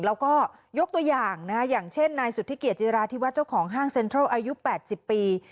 แล้วก็ยกตัวอย่างอย่างเช่นนายสุธิเกียจิราธิวัฒน์เจ้าของห้างเซ็นทรัลอายุ๘๐ปี